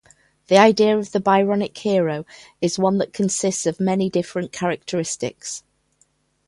The idea of the Byronic hero is one that consists of many different characteristics.